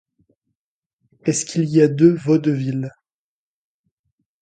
Est-ce qu’il y a deux vaudevilles ?